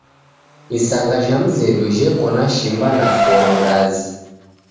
Isanga jha mzedu jheko na shimba na foro ndazi